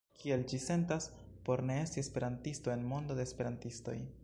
Kiel ĝi sentas por ne esti esperantisto en mondo de esperantistoj?